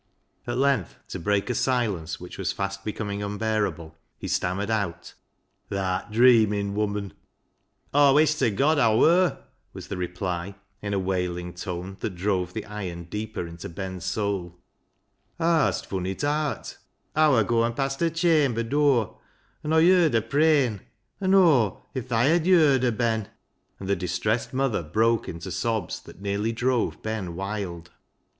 At length, to break a silence which was fast becoming unbearable, he stammered out —" Tha'rt dreamin', woman." " Aw wish ta God Aw wur," was the reply, in a wailing tone that drove the iron deeper into Ben's soul. " Haa hast fun it aat ?"" Aw wur gooin' past her chamber dur an' Aw yerd her prayin'. An', oh ! if thaa 'ad yerd her, Ben" — and the distressed mother broke into sobs that nearly drove Ben wild.